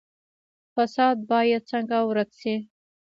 فساد باید څنګه ورک شي؟